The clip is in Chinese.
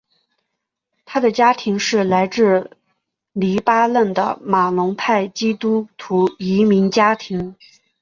他的家庭是来自黎巴嫩的马龙派基督徒移民家庭。